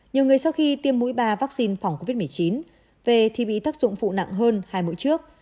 nhiều người sau khi tiêm mũi ba vaccine phòng covid một mươi chín về thì bị tác dụng phụ nặng hơn hai mũi trước